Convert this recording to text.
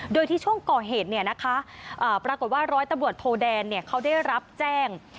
โดยที่ช่วงก่อเหตุปรากฏว่าร้อยตำรวจโทแดนเขาได้รับแจ้ง